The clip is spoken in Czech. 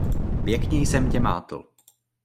Pěkně jsem tě mátl.